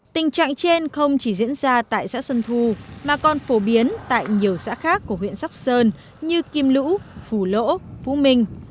tình trạng trên không chỉ diễn ra tại xã xuân thu mà còn phổ biến tại nhiều xã khác của huyện sóc sơn như kim lũ phù lỗ phú minh